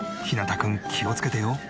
ひなたくん気をつけてよ。